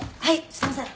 すいません。